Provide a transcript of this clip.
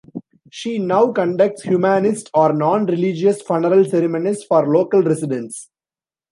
She now conducts humanist or non-religious funeral ceremonies for local residents.